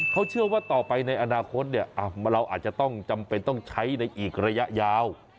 เขาเชื่อว่าต่อไปในอนาคตเราอาจจะต้องจำเป็นต้องใช้ในอีกระยะยาว